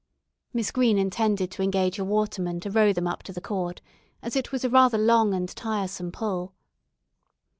Miss Green intended to engage a waterman to row them up to the Court, as it was a rather long and tiresome pull.